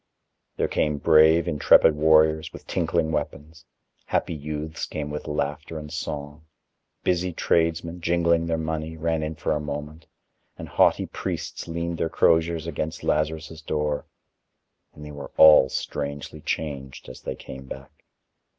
There came brave, intrepid warriors, with tinkling weapons; happy youths came with laughter and song; busy tradesmen, jingling their money, ran in for a moment, and haughty priests leaned their crosiers against Lazarus' door, and they were all strangely changed, as they came back.